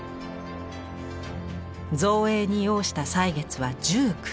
造営に要した歳月は１９年。